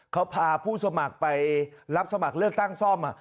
เขาพาผู้สมัครไปรับสมัครเลือกตั้งซ่อม